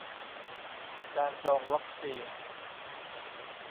การจองวัคซีน